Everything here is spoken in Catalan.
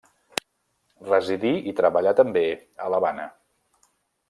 Residí i treballà també a l'Havana.